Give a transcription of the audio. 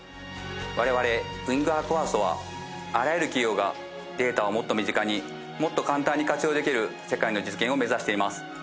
我々ウイングアーク１ｓｔはあらゆる企業がデータをもっと身近にもっと簡単に活用できる世界の実現を目指しています。